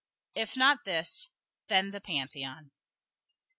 If not this, then the Pantheon.